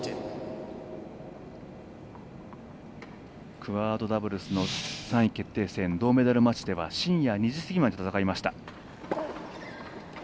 クアードダブルスの３位決定戦銅メダルマッチでは深夜２時過ぎまで戦いました。